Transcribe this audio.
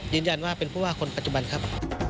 ยืนยันว่าเป็นผู้ว่าคนปัจจุบันครับ